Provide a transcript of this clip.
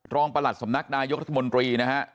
ประหลัดสำนักนายกรัฐมนตรีนะฮะ